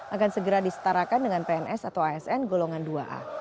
akan segera disetarakan dengan pns atau asn golongan dua a